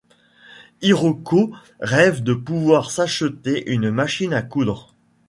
Hiroko rêve de pouvoir s'acheter une machine à coudre.